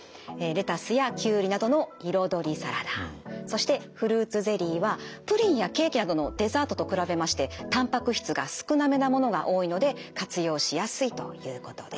そしてフルーツゼリーはプリンやケーキなどのデザートと比べましてたんぱく質が少なめなものが多いので活用しやすいということです。